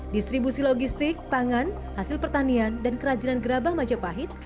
distribusi logistik pangan hasil pertanian dan kerajinan gerabah majapahit